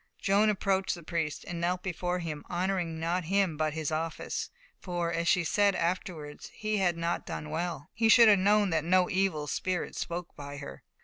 Joan approached the priest and knelt before him, honouring not him, but his office; for, as she said afterwards, he had not done well; he should have known that no evil spirit spoke by her.